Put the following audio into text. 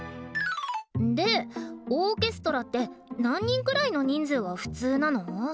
でオーケストラって何人くらいの人数が普通なの？